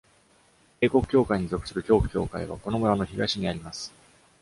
英国教会に属する教区教会はこの村の東にあります。